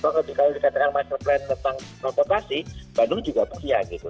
kalau dikatakan master plan tentang transportasi bandung juga punya gitu